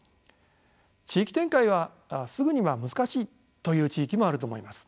地域展開はすぐには難しいという地域もあると思います。